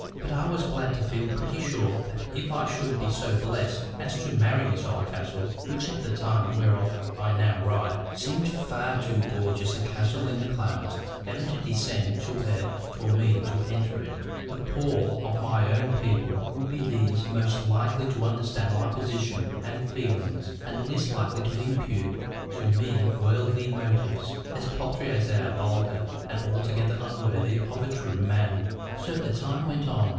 But I was glad to feel pretty sure that if I should be so blessed as to marry Miss Oldcastle—which at the time whereof I now write, seemed far too gorgeous a castle in the clouds ever to descend to the earth for me to enter it—the POOR of my own people would be those most likely to understand my position and feelings, and least likely to impute to me worldly motives, as paltry as they are vulgar, and altogether unworthy of a true man. So the time went on.